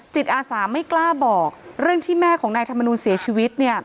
จิตอาสาไม่กล้าบอกเรื่องที่แม่ของนายธรรมนูลเสียชีวิต